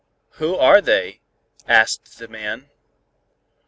"'Who are they?' asked the man.